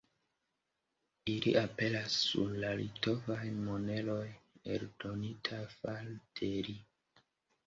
Ili aperas sur la litovaj moneroj eldonitaj fare de li.